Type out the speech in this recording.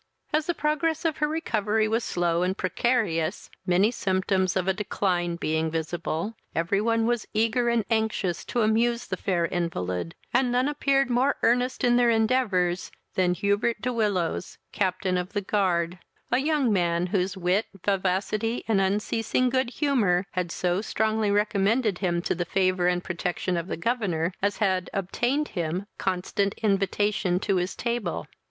As the progress of her recovery was slow and precarious, many symptoms of a decline being visible, every one was eager and anxious to amuse the fair invalid, and none appeared more earnest in their endeavours than Hubert de Willows, captain of the guard, a young man, whose wit, vivacity, and unceasing good humour, had so strongly recommended him to the favour and protection of the governor, as had obtained him a constant invitation to his table.